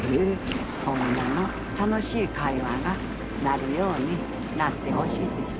そんな楽しい会話になるようになってほしいです。